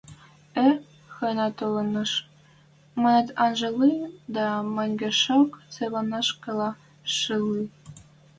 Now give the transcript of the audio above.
– Э, хына толыныш, – манын анжальы дӓ мӹнгешок цыланышкыла шӹльӹ.